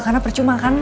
karena percuma kan